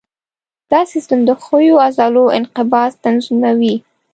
دا سیستم د ښویو عضلو انقباض تنظیموي.